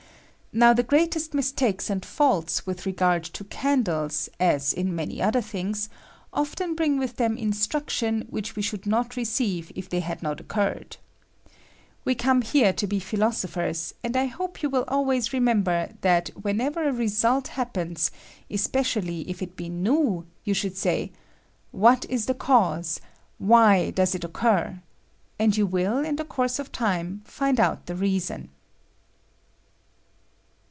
Now the greatest mis takes and faults with regard to candles, as' in many other things, often bring with them in struction which we should not receive if they hadnot occurred. "We come here to be philos ophers, and I hope you will always remember that whenever a result happens, especially if it I IB k 22 RISE OP FLUID IN THE WICK. be new, joa should say, "What is the cause? Why does it occur?" and you will, in the course of time, find out the reason.